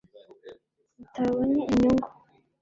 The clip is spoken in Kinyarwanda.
utabonye inyungu